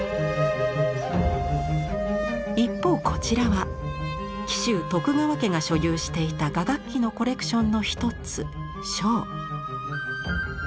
一方こちらは紀州徳川家が所有していた雅楽器のコレクションの一つ笙。